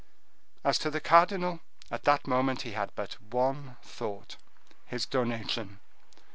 As to the cardinal, at that moment he had but one thought—his donation.